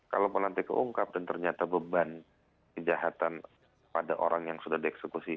kalau melantik keungkap dan ternyata beban kejahatan pada orang yang sudah dieksekusi